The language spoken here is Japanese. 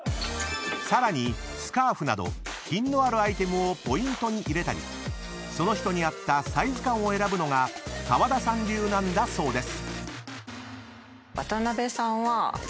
［さらにスカーフなど品のあるアイテムをポイントに入れたりその人に合ったサイズ感を選ぶのが川田さん流なんだそうです］